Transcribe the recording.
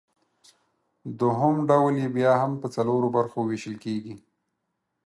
دوهم ډول یې بیا هم پۀ څلورو برخو ویشل کیږي